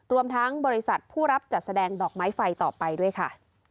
รวมทั้งบริษัทผู้รับจัดแสดงดอกไม้ไฟต่อไปด้วยค่ะ